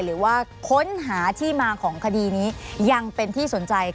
หรือว่าค้นหาที่มาของคดีนี้ยังเป็นที่สนใจ